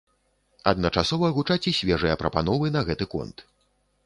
Адначасова гучаць і свежыя прапановы на гэты конт.